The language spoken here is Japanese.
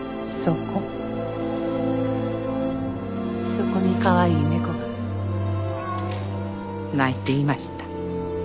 そこにカワイイ猫が鳴いていました。